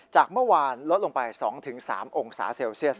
จากเมื่อวานลดลงไป๒๓องศาเซลเซียส